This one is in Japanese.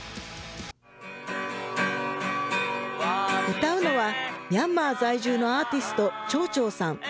歌うのは、ミャンマー在住のアーティスト、チョーチョーさん。